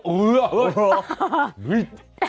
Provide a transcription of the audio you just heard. เฮีย